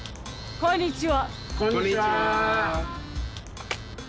こんにちは。